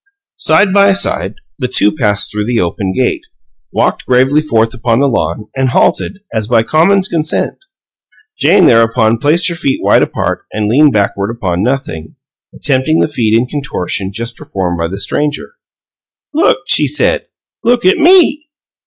Side by side, the two passed through the open gate, walked gravely forth upon the lawn, and halted, as by common consent. Jane thereupon placed her feet wide apart and leaned backward upon nothing, attempting the feat in contortion just performed by the stranger. "Look," she said. "Look at ME!"